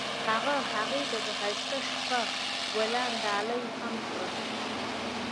هغه هغې ته د ښایسته شپه ګلان ډالۍ هم کړل.